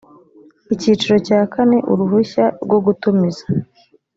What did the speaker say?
icyiciro cya kane uruhushya rwo gutumiza